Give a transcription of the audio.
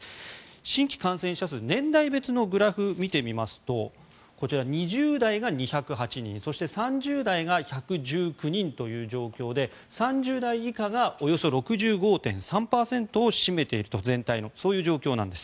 新規感染者数年代別のグラフを見てみますとこちら、２０代が２０８人そして３０代が１１９人という状況で３０代以下が全体のおよそ６５．３％を占めているというそういう状況なんです。